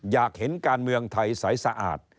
อยากเห็นการเมืองไทยสายสะอาด